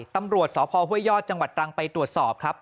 ตำรวจสพห้วยยอดจังหวัดตรังไปตรวจสอบครับ